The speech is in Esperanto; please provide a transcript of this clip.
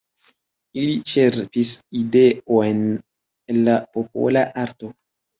Ili ĉerpis ideojn el la popola arto.